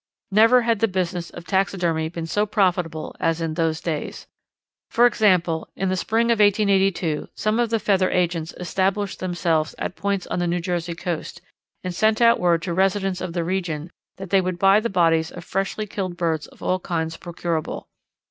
Never had the business of taxidermy been so profitable as in those days. For example, in the spring of 1882 some of the feather agents established themselves at points on the New Jersey coast, and sent out word to residents of the region that they would buy the bodies of freshly killed birds of all kinds procurable.